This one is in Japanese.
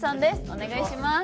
お願いします。